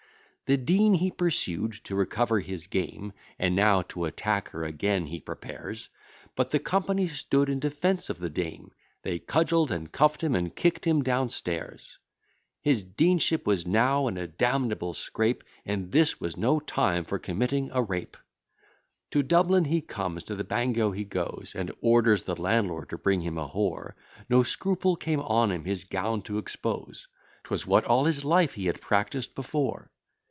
The dean he pursued, to recover his game; And now to attack her again he prepares: But the company stood in defence of the dame, They cudgell'd, and cuff'd him, and kick'd him down stairs. His deanship was now in a damnable scrape, And this was no time for committing a rape. To Dublin he comes, to the bagnio he goes, And orders the landlord to bring him a whore; No scruple came on him his gown to expose, 'Twas what all his life he had practised before.